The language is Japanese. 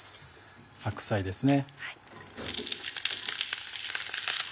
白菜ですね。